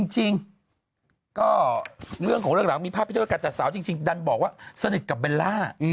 จริงก็เรื่องของเรื่องหลังมีภาพไปด้วยกันแต่สาวจริงดันบอกว่าสนิทกับเบลล่า